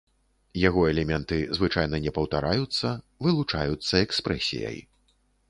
Яго элементы звычайна не паўтараюцца, вылучаюцца экспрэсіяй.